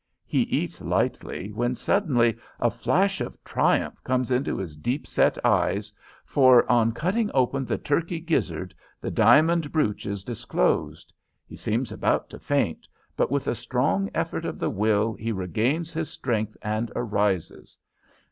He eats lightly, when suddenly a flash of triumph comes into his deep set eyes, for on cutting open the turkey gizzard the diamond brooch is disclosed. He seems about to faint, but with a strong effort of the will he regains his strength and arises.